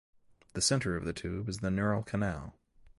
The centre of the tube is the "neural canal".